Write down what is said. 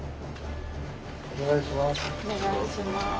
お願いします。